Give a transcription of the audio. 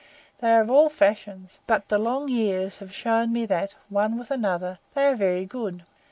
They are of all fashions, but the long years have shown me that, one with another, they are very good.